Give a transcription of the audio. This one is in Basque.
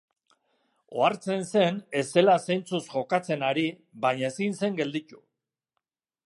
Ohartzen zen ez zela zentzuz jokatzen ari, baina ezin zen gelditu.